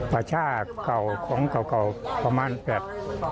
ประชาเก่าของเก่าประมาณแบบ